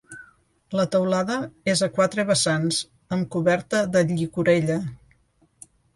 La teulada és a quatre vessants, amb coberta de llicorella.